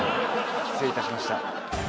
失礼いたしました。